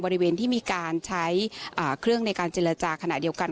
บริเวณที่มีการใช้เครื่องในการเจรจาขณะเดียวกัน